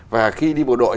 và khi đi bộ đội